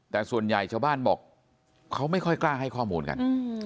แต่ส่วนใหญ่ชาวบ้านบอกเขาไม่ค่อยกล้าให้ข้อมูลกัน